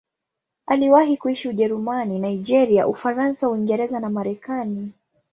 Aliwahi kuishi Ujerumani, Nigeria, Ufaransa, Uingereza na Marekani.